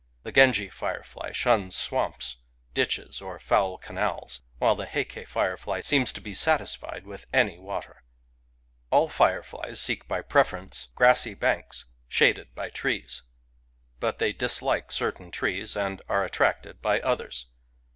The Genji firefly shuns swamps, Digitized by Googk 152 FIREFLIES ditches, or foul canals; while the Heike firefly seems to be satisfied with any water. All fire flies seek by preference grassy banks shaded by trees; but they dislike certain trees and are at tracted by others.